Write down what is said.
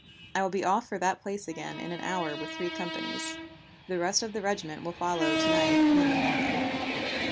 I will be off for that place again in an hour with three companies. The rest of the regiment will follow to night and in the morning.